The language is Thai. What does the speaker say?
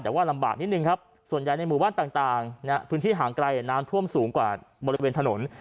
แต่ว่าลำบากนิดนึงครับส่วนใหญ่ในหมู่บ้านต่างพื้นที่ห่างไกลน้ำท่วมสูงกว่าบริเวณถนน